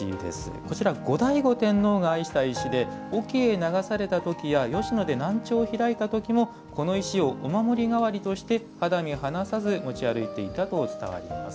こちら、後醍醐天皇が愛した石で隠岐に流されたときや吉野で南朝を開いたときもこの石をお守り代わりとして肌身離さず持ち歩いていたといわれています。